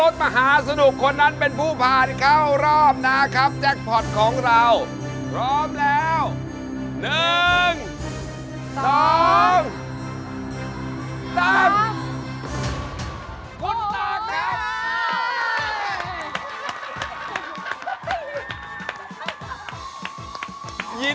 เขาบอกแล้วว่าเขาจะอยู่ให้กำลังใจหนู